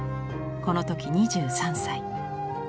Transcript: この時２３歳。